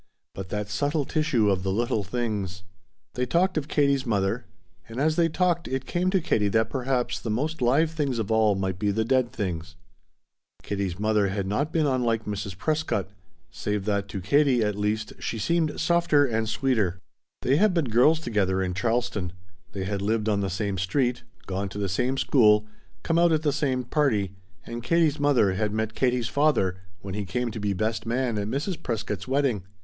But that subtle tissue of the little things! They talked of Katie's mother, and as they talked it came to Katie that perhaps the most live things of all might be the dead things. Katie's mother had not been unlike Mrs. Prescott, save that to Katie, at least, she seemed softer and sweeter. They had been girls together in Charleston. They had lived on the same street, gone to the same school, come out at the same party, and Katie's mother had met Katie's father when he came to be best man at Mrs. Prescott's wedding.